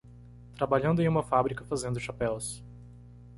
Trabalhando em uma fábrica fazendo chapéus